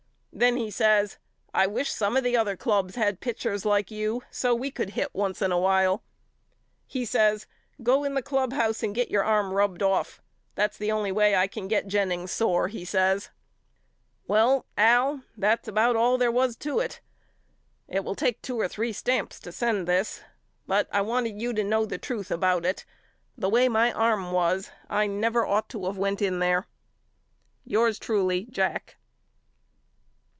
Then he says I wish some of the other clubs had pitchers like you so we could hit once in a while. He says Go in the clubhouse and get your arm rubbed off. That's the only way I can get Jennings sore he says. Well Al that's about all there was to it. It will take two or three stamps to send this but I want you to know the truth about it. The way my arm was I ought never to of went in there. Yours truly, JACK.